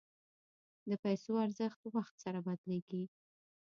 د پیسو ارزښت وخت سره بدلېږي.